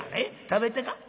食べてか？